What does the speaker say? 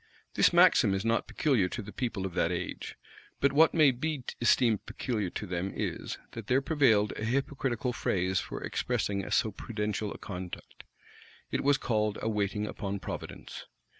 This maxim is not peculiar to the people of that age; but what may be esteemed peculiar to them is, that there prevailed a hypocritical phrase for expressing so prudential a conduct: it was called a waiting upon providence.